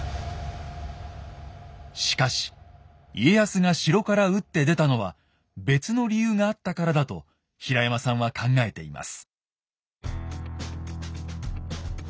しかし家康が城から打って出たのは別の理由があったからだと平山さんは考えています。